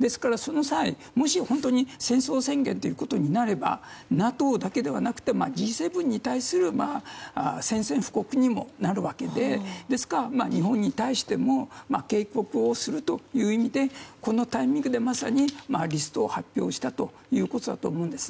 ですから、その際もし本当に戦争宣言となればＮＡＴＯだけではなくてＧ７に対する宣戦布告にもなるわけでですから、日本に対しても警告をするという意味でこのタイミングでまさにこのリストを発表したということだと思います。